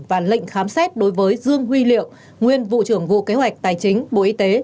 và lệnh khám xét đối với dương huy liệu nguyên vụ trưởng vụ kế hoạch tài chính bộ y tế